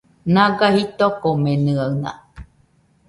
Naga jitokomenɨaɨna